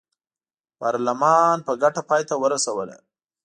پارلمان په ګټه پای ته ورسوله.